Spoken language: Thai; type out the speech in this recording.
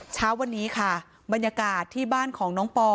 เช้าวันนี้ค่ะบรรยากาศที่บ้านของน้องปอ